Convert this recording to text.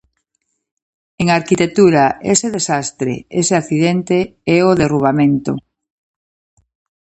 En arquitectura ese desastre, ese accidente, é o derrubamento.